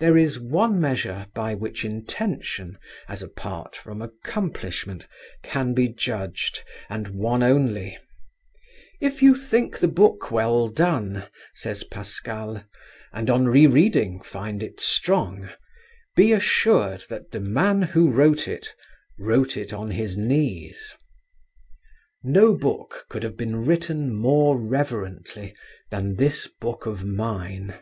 There is one measure by which intention as apart from accomplishment can be judged, and one only: "If you think the book well done," says Pascal, "and on re reading find it strong; be assured that the man who wrote it, wrote it on his knees." No book could have been written more reverently than this book of mine.